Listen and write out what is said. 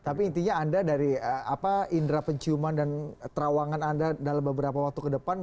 tapi intinya anda dari indera penciuman dan terawangan anda dalam beberapa waktu ke depan